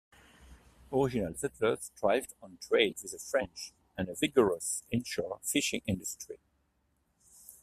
Original settlers thrived on trade with the French and a vigorous inshore fishing industry.